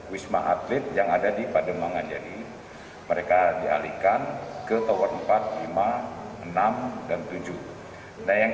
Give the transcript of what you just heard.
wisma atlet yang ada di pademangan jadi mereka dialihkan ke tower empat lima enam dan tujuh nah yang